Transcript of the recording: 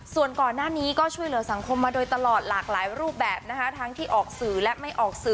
ส่วนก่อนหน้านี้ก็ช่วยเหลือสังคมมาโดยตลอดหลากหลายรูปแบบนะคะทั้งที่ออกสื่อและไม่ออกสื่อ